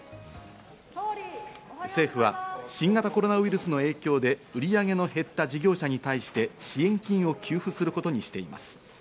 政府は新型コロナウイルスの影響で売上の減った事業者に対して支援金を給付することにしています。